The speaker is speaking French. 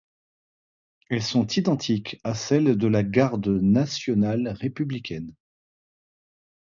Elles sont identiques à celles de la Garde nationale républicaine.